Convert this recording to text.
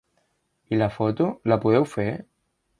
I la foto, la podeu fer?